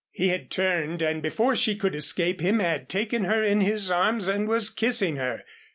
He had turned and before she could escape him, had taken her in his arms and was kissing her.